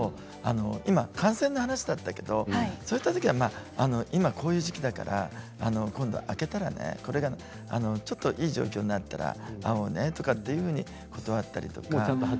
今は感染の話だったけど、そういったときは今こういう時期だからこれが、ちょっといい状況になったら会おうねっていうふうに断ったりとか。